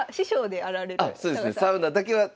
あっそうですね。